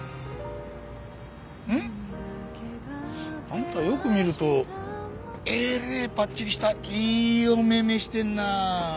んっ？あんたよく見るとえれえぱっちりしたいいお目目してんな。